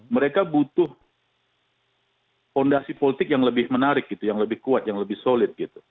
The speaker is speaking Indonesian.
mereka butuh fondasi politik yang lebih menarik gitu yang lebih kuat yang lebih solid gitu